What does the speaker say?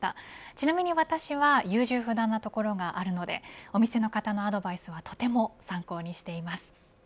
ちなみに私は優柔不断なところがあるのでお店の方のアドバイスはとても参考にしています。